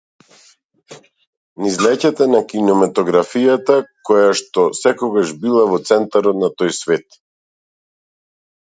Низ леќата на кинематографијата, којашто секогаш била во центарот на тој свет.